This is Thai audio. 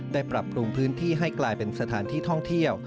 ปรับปรุงพื้นที่ให้กลายเป็นสถานที่ท่องเที่ยว